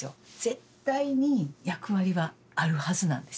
絶対に役割はあるはずなんですよね。